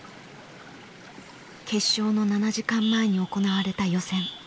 決勝の７時間前に行われた予選。